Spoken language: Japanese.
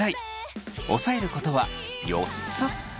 押さえることは４つ。